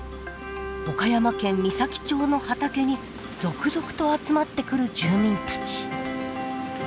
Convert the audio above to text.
岡山県美咲町の畑に続々と集まってくる住民たち。